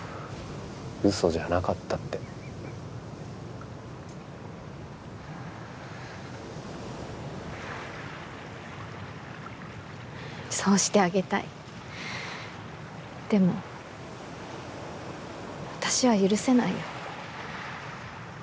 「嘘じゃなかった」ってそうしてあげたいでも私は許せないよ